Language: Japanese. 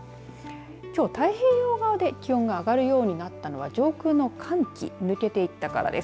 きょう太平洋側で気温が上がるようになったのは上空の寒気抜けていったからです。